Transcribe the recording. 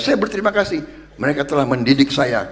saya berterima kasih mereka telah mendidik saya